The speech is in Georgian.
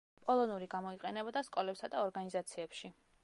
პოლონური გამოიყენებოდა სკოლებსა და ორგანიზაციებში.